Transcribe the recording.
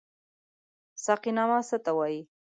ساقينامه څه ته وايي؟